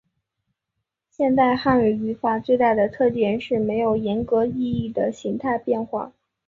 现代汉语语法最大的特点是没有严格意义的形态变化。